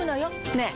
ねえ。